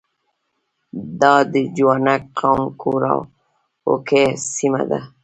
دا د جوانګ قوم کورواکه سیمه ده.